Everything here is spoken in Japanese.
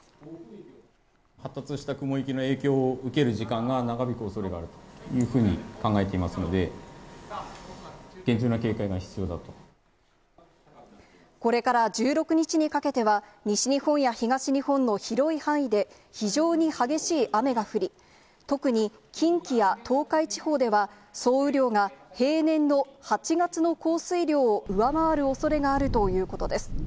発達した雲域の影響を受ける時間が長引くおそれがあるというふうに考えていますので、厳重なこれから１６日にかけては、西日本や東日本の広い範囲で、非常に激しい雨が降り、特に近畿や東海地方では、総雨量が平年の８月の降水量を上回るおそれがあるということです。